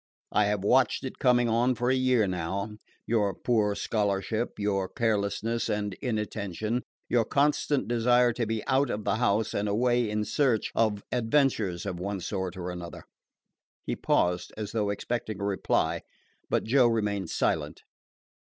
I have watched it coming on for a year now your poor scholarship, your carelessness and inattention, your constant desire to be out of the house and away in search of adventures of one sort or another." He paused, as though expecting a reply; but Joe remained silent.